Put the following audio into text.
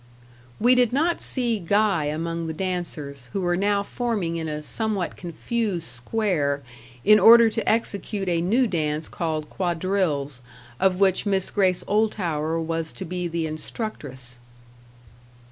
We did not see Guy among the dancers, who were now forming in a somewhat confused square, in order to execute a new dance called quadrilles, of which Miss Grace Oldtower was to be the instructress.